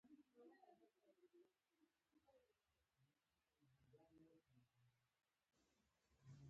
د اکسیجن تعامل له یو عنصر سره اکساید تشکیلیږي.